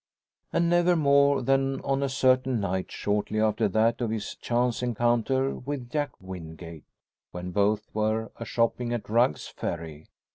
And never more than on a certain night shortly after that of his chance encounter with Jack Wingate, when both were a shopping at Rugg's Ferry.